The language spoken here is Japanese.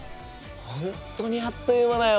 本当にあっという間だよ。